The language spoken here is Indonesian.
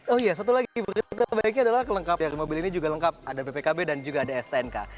oh iya satu lagi berita terbaiknya adalah kelengkap dari mobil ini juga lengkap ada bpkb dan juga ada stnk